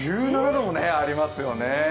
１７度もありますよね。